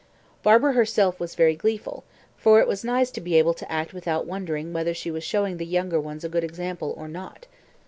Barbara herself was very gleeful, for it was nice to be able to act without wondering whether she was showing the younger ones a good example or not.